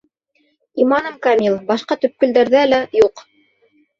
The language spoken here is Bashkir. Иманым камил: башҡа төпкөлдәрҙә лә юҡ.